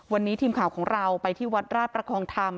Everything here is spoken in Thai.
วันนี้ทีมข่าวของเราไปที่วัดราชประคองธรรม